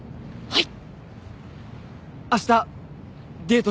はい。